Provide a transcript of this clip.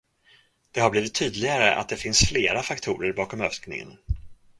Det har blivit tydligare att det finns flera faktorer bakom ökningen.